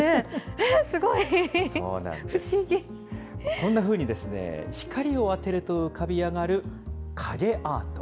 こんなふうにですね、光を当てると浮かび上がる影アート。